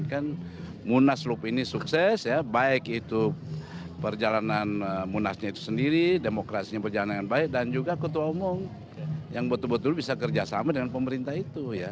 jadi kan munasluf ini sukses ya baik itu perjalanan munasnya itu sendiri demokrasinya perjalanan yang baik dan juga ketua umum yang betul betul bisa kerjasama dengan pemerintah itu ya